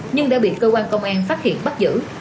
nhưng đã bị cơ quan công an phát hiện bắt giữ